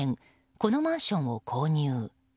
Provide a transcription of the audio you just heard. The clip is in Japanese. このマンションを購入。